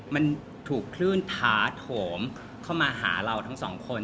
มันถูกคลื่นท้าโถมเข้ามาหาเราทั้งสองคน